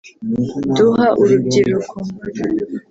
duha urubyiruko